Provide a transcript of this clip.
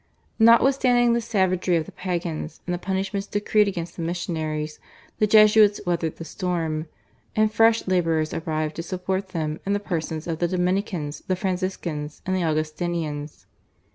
Notwithstanding the savagery of the Pagans and the punishments decreed against the missionaries the Jesuits weathered the storm, and fresh labourers arrived to support them in the persons of the Dominicans, the Franciscans, and the Augustinians.